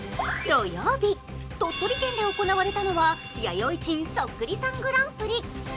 土曜日、鳥取県で行われたのは弥生人そっくりさんグランプリ。